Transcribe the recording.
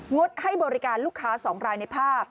ดให้บริการลูกค้า๒รายในภาพ